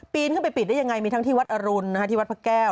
นขึ้นไปปิดได้ยังไงมีทั้งที่วัดอรุณที่วัดพระแก้ว